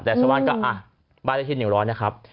แต่สาวบ้านก็อ่ะบ้านเลขที่หนึ่งร้อยนะครับ